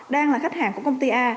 đang là khách hàng của công ty a